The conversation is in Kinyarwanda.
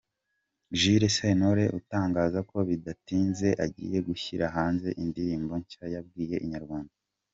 Jules Sentore utangaza ko bidatinze agiye gushyira hanze indirimbo nshya yabwiye Inyarwanda.